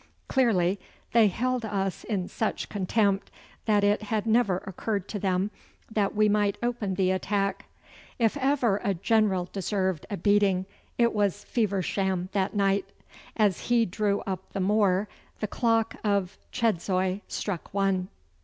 Clearly they held us in such contempt that it had never occurred to them that we might open the attack. If ever a general deserved a beating it was Feversham that night. As he drew up upon the moor the clock of Chedzoy struck one.